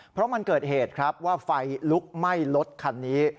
เพราะมันเกิดเหตุครับว่าไฟลุกไหม้รถคันนี้